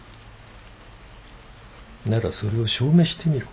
ならそれを証明してみろ。